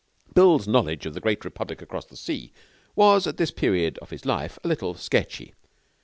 Bill's knowledge of the great republic across the sea was at this period of his life a little sketchy.